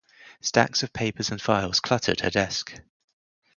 Stacks of papers and files cluttered her desk.